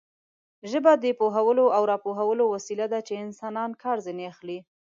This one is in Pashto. ژبه د پوهولو او راپوهولو وسیله ده چې انسانان کار ځنې اخلي.